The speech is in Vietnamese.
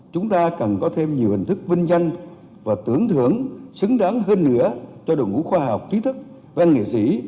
chúng ta cần có thêm nhiều hình thức vinh danh và tưởng thưởng xứng đáng hơn nữa cho đội ngũ khoa học trí thức văn nghệ sĩ